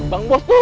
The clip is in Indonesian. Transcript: bang bos tuh